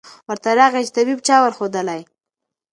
ورته راغی چي طبیب چا ورښودلی